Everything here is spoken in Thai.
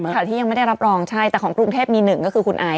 ที่ยังไม่ได้รับรองใช่แต่ของกรุงเทพมีหนึ่งก็คือคุณไอซ